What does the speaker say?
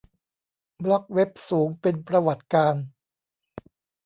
บล็อคเว็บสูงเป็นประวัติการณ์